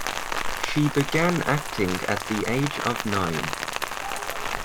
She began acting at the age of nine.